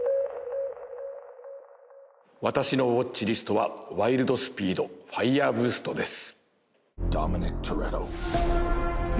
私のＷａｔｃｈＬＩＳＴは「ワイルド・スピード／ファイヤーブースト」です